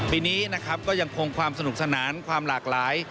ปีนี้นะครับก็ยังคงความสนุกสนานความหลากหลาย